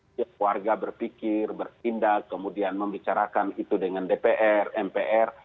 setiap warga berpikir bertindak kemudian membicarakan itu dengan dpr mpr